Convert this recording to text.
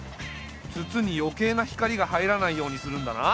筒に余計な光が入らないようにするんだな。